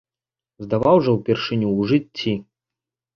Здаваў жа ўпершыню ў жыцці!